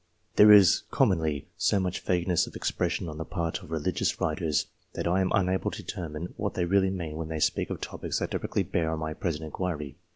There is commonly so much vague ness of expression on the part of religious writers, that I am unable to determine what they really mean when they speak of topics that directly bear on my present inquiry.